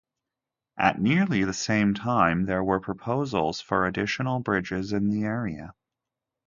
At nearly the same time there were proposals for additional bridges in the area.